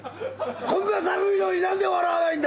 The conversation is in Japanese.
こんなに寒いのに何で笑わないんだ！